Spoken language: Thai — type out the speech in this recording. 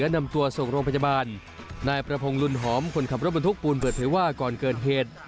นายประพงษ์ลุนหอมคนขับรถบนทุกข์ปูนเบือดเผยว่าก่อนเกิดเหตุ